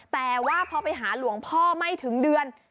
แต่ว่าพอไปหาหลวงพ่อไม่ถึงเดือน